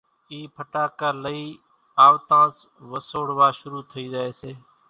اِي ڦٽاڪا لئي آوتانز وسوڙوا شروع ٿئي زائي سي